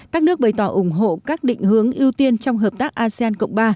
các nước bày tỏ ủng hộ các định hướng ưu tiên trong hợp tác asean cộng ba